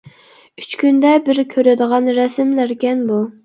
ئۈچ كۈندە بىر كۆرىدىغان رەسىملەركەن بۇ.